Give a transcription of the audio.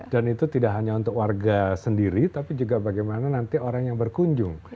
dan itu tidak hanya untuk warga sendiri tapi juga bagaimana nanti orang yang berkunjung